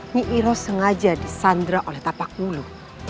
nyi iroh sengaja disandra oleh tapak mulu